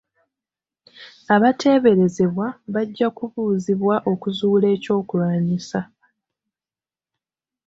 Abateeberezebwa bajja kubuuzibwa okuzuula eky'okulwanyisa.